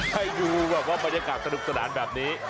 ให้ดูแบบว่าบรรยากาศสนุกสนานแบบนี้